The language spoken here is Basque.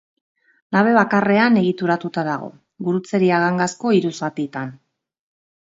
Nabe bakarrean egituratuta dago, gurutzeria-gangazko hiru zatitan.